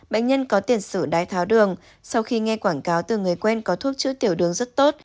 bệnh nhân có tiền sử đái tháo đường sau khi nghe quảng cáo từ người quen có thuốc chữa tiểu đường rất tốt